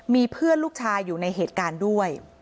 มีเพื่อนลูกชายอยู่ในเหตุการณ์ด้วย